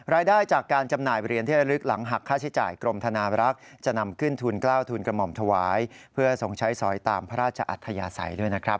โปรดติดตามตอนต่อไป